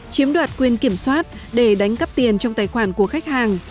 chiếm đoạt quyền kiểm soát để đánh cắp tiền trong tài khoản của khách hàng